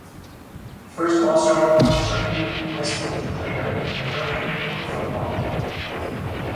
The first All Star award for any Westmeath player in Hurling or football.